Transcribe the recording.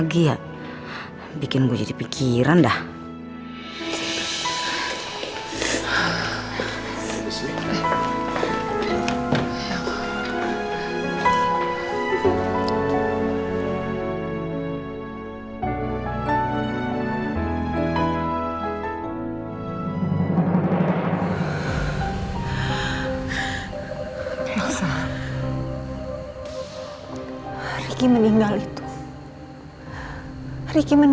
tidak ini semua gara gara mama